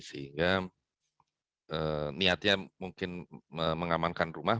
sehingga niatnya mungkin mengamankan rumah